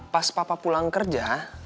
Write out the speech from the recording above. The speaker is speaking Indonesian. pas papa pulang kerja